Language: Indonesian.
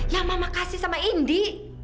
yang mama kasih sama indi